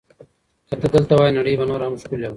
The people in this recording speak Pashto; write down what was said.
که ته دلته وای، نړۍ به نوره هم ښکلې وه.